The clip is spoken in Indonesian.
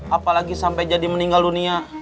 apalagi sampai jadi meninggal dunia